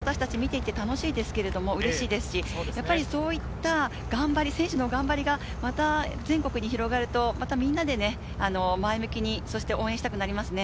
毎回見ていると復興していくのを見ていて楽しいですけれども、うれしいですし、そういった頑張り、選手の頑張りが全国に広がると、みんなで前向きに応援したくなりますね。